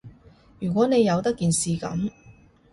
如果你由得件事噉